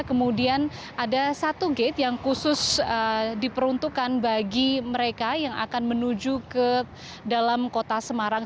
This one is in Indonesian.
kemudian ada satu gate yang khusus diperuntukkan bagi mereka yang akan menuju ke dalam kota semarang